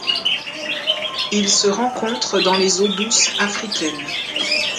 Ils se rencontrent dans les eaux douces africaines.